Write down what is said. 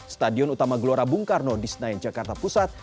stadion utama gelora bung karno di senayan jakarta pusat